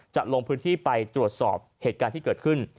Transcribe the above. จะลงพื้นที่ไปตรวจสอบเหตุการณ์ที่เกิดขึ้น